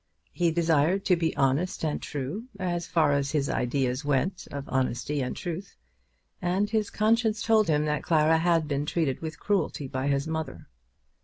He desired to be honest and true, as far as his ideas went of honesty and truth, and his conscience told him that Clara had been treated with cruelty by his mother.